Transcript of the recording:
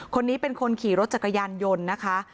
คนนี้เป็นคนขี่รถจักรยานยนต์นะคะ